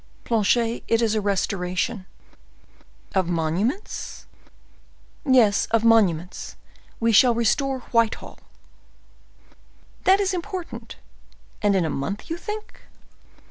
"Planchet, it is a restoration." "Of monuments?" "Yes, of monuments; we shall restore Whitehall." "That is important. And in a month, you think?"